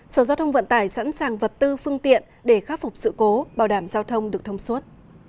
sở giao thông vận tải sẵn sàng vật tư phương tiện để khắc phục sự cố bảo đảm giao thông được thông suốt